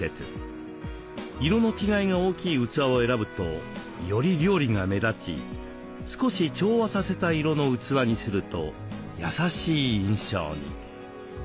色の違いが大きい器を選ぶとより料理が目立ち少し調和させた色の器にすると優しい印象に。